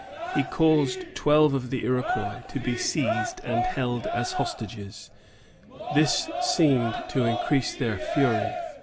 He caused twelve of the Iroquois to be seized and held as hostages. This seemed to increase their fury.